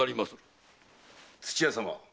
土屋様